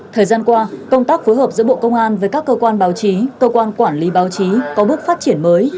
thời gian qua công tác phối hợp giữa bộ công an với các cơ quan báo chí cơ quan quản lý báo chí có bước phát triển mới